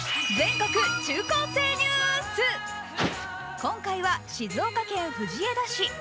今回は静岡県藤枝市。